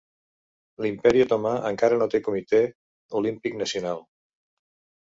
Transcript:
L'Imperi Otomà encara no té Comitè Olímpic Nacional.